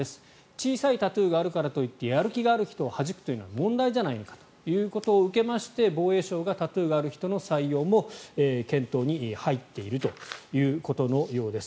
小さいタトゥーがあるからといってやる気がある人をはじくというのは問題じゃないかということを受けまして防衛省がタトゥーがある人の採用も検討に入っているということのようです。